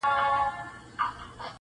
ته مي آیینه یې له غبار سره مي نه لګي-